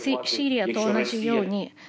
シリアと同じように。